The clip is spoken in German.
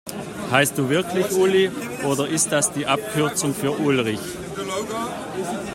Heißt du wirklich Uli, oder ist das die Abkürzung für Ulrich?